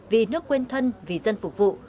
vì nước quên thân vì dân phục vụ